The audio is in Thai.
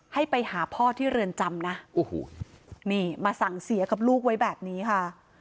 ให้ไปหาพ่อที่เรือนจำนะโอ้โหนี่มาสั่งเสียกับลูกไว้แบบนี้ค่ะ